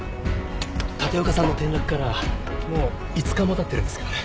立岡さんの転落からもう５日も経ってるんですけどね。